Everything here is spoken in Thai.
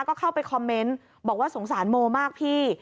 ก็เข้าไปคอมเมนต์บอกว่าสงสารโมมากพี่